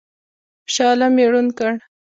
شاه عالم یې ړوند کړ.